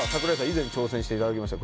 以前挑戦していただきました